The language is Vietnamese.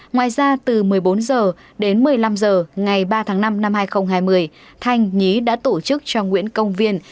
ngoài ra từ một mươi bốn h đến một mươi năm h ngày ba tháng năm năm hai nghìn hai mươi thanh nhí đã tổ chức cho nguyễn công viên